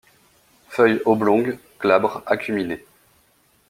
Feuilles oblongs, glabres, acuminées.